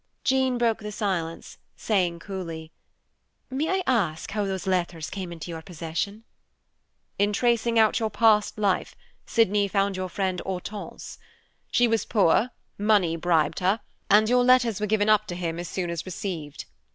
Jean broke the silence, saying coolly, "May I ask how those letters came into your possession?" "In tracing out your past life, Sydney found your friend Hortense. She was poor, money bribed her, and your letters were given up to him as soon as received.